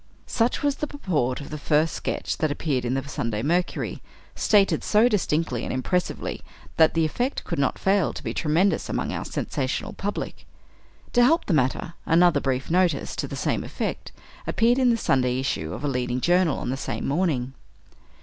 Such was the purport of the first sketch that appeared in the "Sunday Mercury," stated so distinctly and impressively that the effect could not fail to be tremendous among our sensational public. To help the matter, another brief notice, to the same effect, appeared in the Sunday issue of a leading journal on the same morning.